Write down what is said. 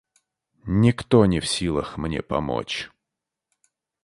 — Никто не в силах мне помочь.